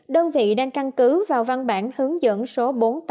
đơn vị đang căn cứ vào văn bản hướng dẫn số bốn nghìn tám trăm một mươi bảy